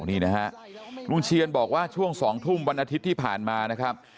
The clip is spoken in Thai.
นี่นะฮะลุงเชียนบอกว่าช่วง๒ทุ่มวันอาทิตย์ที่ผ่านมานะครับ